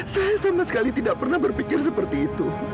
saya sama sekali tidak pernah berpikir seperti itu